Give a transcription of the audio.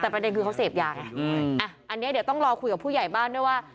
แต่ประเด็นคือเขาเสพยาไงอ่ะอันนี้เดี๋ยวต้องรอคุยกับผู้ใหญ่บ้านด้วยว่า